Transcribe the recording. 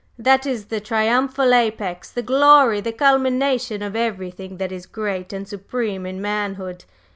"That is the triumphal apex, the glory, the culmination of everything that is great and supreme in manhood.